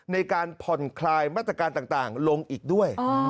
ในการผ่อนคลายมาตรการต่างลงอีกด้วย